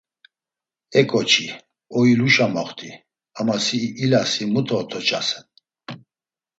E ǩoçi oiluşa moxt̆i, ama si ilasi mute ot̆oçasen.